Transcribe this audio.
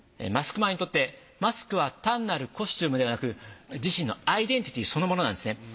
マスクマンにとってマスクは単なるコスチュームではなく自身のアイデンティティーそのものなんですね。